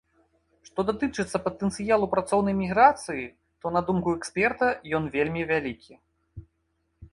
Што датычыцца патэнцыялу працоўнай міграцыі, то, на думку эксперта, ён вельмі вялікі.